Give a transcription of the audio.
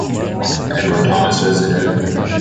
Edward Thomas visited.